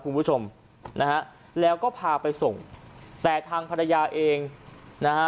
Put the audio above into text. คุณผู้ชมนะฮะแล้วก็พาไปส่งแต่ทางภรรยาเองนะฮะ